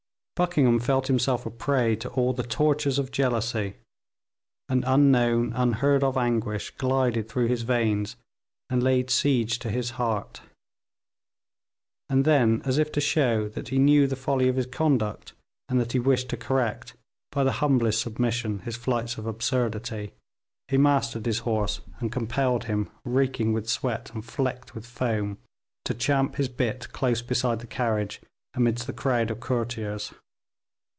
Buckingham felt himself a prey to all the tortures of jealousy; an unknown, unheard of anguish glided through his veins, and laid siege to his heart; and then, as if to show that he knew the folly of his conduct, and that he wished to correct, by the humblest submission, his flights of absurdity, he mastered his horse, and compelled him, reeking with sweat and flecked with foam, to champ his bit close beside the carriage, amidst the crowd of courtiers.